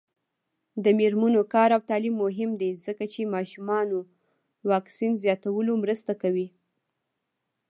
د میرمنو کار او تعلیم مهم دی ځکه چې ماشومانو واکسین زیاتولو مرسته ده.